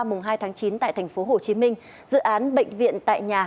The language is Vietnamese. mùng hai tháng chín tại thành phố hồ chí minh dự án bệnh viện tại nhà